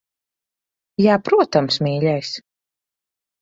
Jā, protams, mīļais.